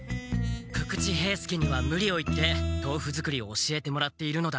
久々知兵助にはムリを言って豆腐作りを教えてもらっているのだ。